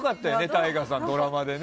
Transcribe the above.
ＴＡＩＧＡさん、ドラマでね。